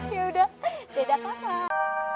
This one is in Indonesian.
yaudah deda kakak